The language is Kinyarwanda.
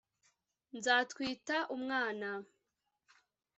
nzatwita umwana